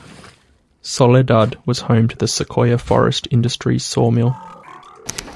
Soledad was home to the Sequoia Forest Industries sawmill.